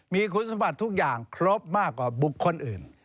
มีคุณสมบัติทุกอย่างครบมากกว่าบุคคลอื่น